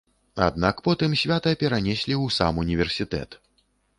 Аднак потым свята перанеслі ў сам універсітэт.